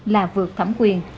là vượt thẩm quyền